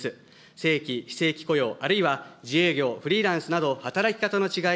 正規、非正規雇用、あるいは自営業、フリーランスなど、働き方の違い